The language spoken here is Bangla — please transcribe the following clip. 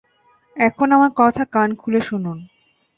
এখন আমার কথা কান খুলে শুনুন।